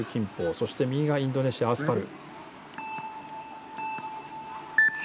そして右がインドネシア、アスパル。